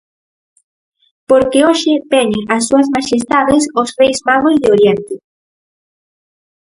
Porque hoxe veñen as súas maxestades os Reis Magos de Oriente.